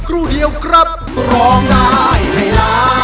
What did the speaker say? น้าช่วงร้อนจิ๋ว